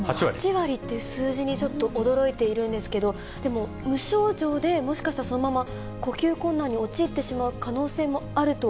８割って数字にちょっと驚いているんですけど、でも、無症状で、もしかしたらそのまま呼吸困難に陥ってしまう可能性もあると。